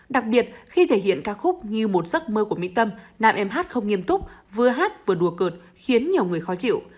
đặc biệt khi thể hiện ca khúc như một giấc mơ của mỹ tâm nam em hát không nghiêm túc vừa hát vừa đùa cợt khiến nhiều người khó chịu